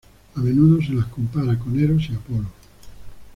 A menudo se le compara con Eros y Apolo.